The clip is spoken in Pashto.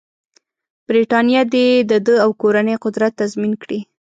برټانیه دې د ده او کورنۍ قدرت تضمین کړي.